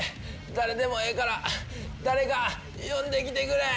誰でもええから誰か呼んできてくれ。